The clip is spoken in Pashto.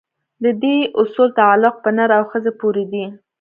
د دې اصول تعلق په نر او ښځې پورې دی.